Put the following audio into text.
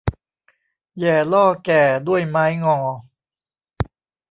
แหย่ล่อแก่ด้วยไม้งอ